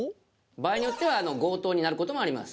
場合によっては強盗になる事もあります。